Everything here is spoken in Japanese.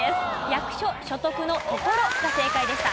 役所所得の「所」が正解でした。